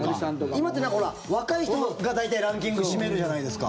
今って、若い人が大体ランキング占めるじゃないですか。